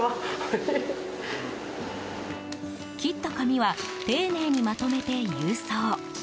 切った髪は丁寧にまとめて郵送。